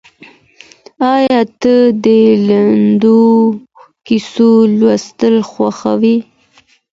ایا ته د لنډو کیسو لوستل خوښوې؟